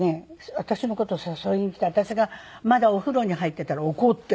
私の事を誘いにきて私がまだお風呂に入っていたら怒って。